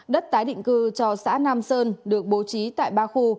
đất tái định cư cho xã nam sơn được bố trí tại ba khu